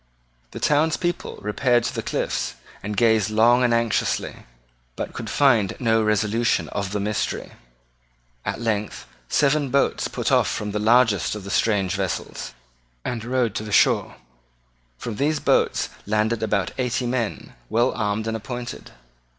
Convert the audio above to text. The town's people repaired to the cliffs, and gazed long and anxiously, but could find no solution of the mystery. At length seven boats put off from the largest of the strange vessels, and rowed to the shore. From these boats landed about eighty men, well armed and appointed.